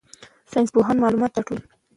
ساینسپوهان معلومات راټولوي.